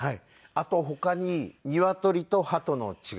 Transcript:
あと他にニワトリとハトの違いとか。